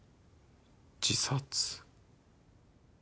自殺。